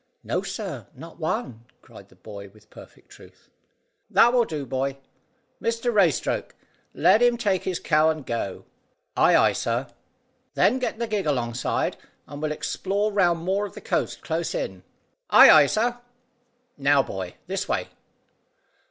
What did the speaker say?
"No, sir; not one," cried the boy with perfect truth. "That will do, boy. Mr Raystoke let him take his cow and go." "Ay, ay, sir!" "Then get the gig alongside, and we'll explore round more of the coast close in." "Ay, ay, sir! Now, boy, this way."